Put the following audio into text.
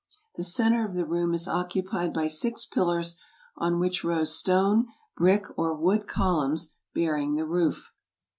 The cen ter of the room is occupied by six pillars, on which rose stone, brick, or wood columns bearing the roof.